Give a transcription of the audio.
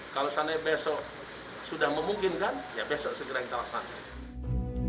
kalau seandainya besok sudah memungkinkan ya besok segera kita laksanakan